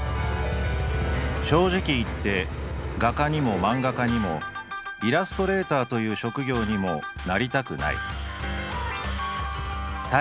「正直言って画家にもマンガ家にもイラストレーターという職業にもなりたくない」。